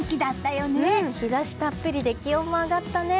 うん、日差したっぷりで気温も上がったね。